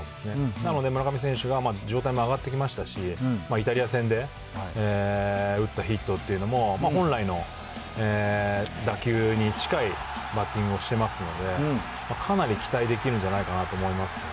なので、村上選手が状態も上がってきましたし、イタリア戦で打ったヒットっていうのも、本来の打球に近いバッティングをしてますので、かなり期待できるんじゃないかなと思います。